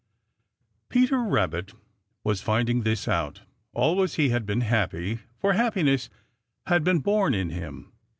Peter Rabbit was finding this out. Always he had been happy, for happiness had been born in him.